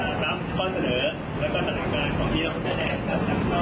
กับทางรองริขาธิการทางรองริขาธิการ